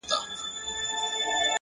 لوړ همت د خنډونو قد ټیټوي!.